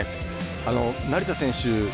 成田選手